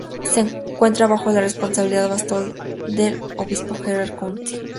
Se encuentra bajo la responsabilidad pastoral del obispo Gerard County.